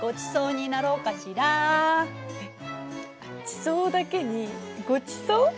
地層だけにごちそう？